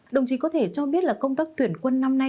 đồng chí có thể cho biết là công tác tuyển quân năm nay